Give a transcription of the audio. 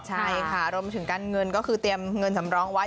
ใช่ค่ะรวมถึงการเงินก็คือเตรียมเงินสำรองไว้